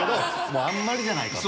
もうあんまりじゃないかと。